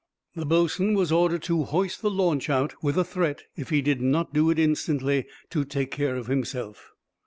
The boatswain was ordered to hoist the launch out, with a threat if he did not do it instantly to take care of himself.